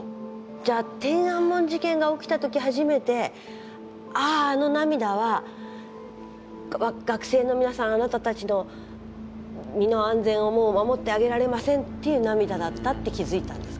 じゃあ天安門事件が起きた時初めてあああの涙は「学生の皆さんあなたたちの身の安全をもう守ってあげられません」っていう涙だったって気付いたんですか。